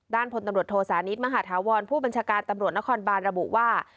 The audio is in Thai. ด้านพนตรโทษานิสมหาฐะวรผู้บันชาการต่ำรดนครบาลระบุว่า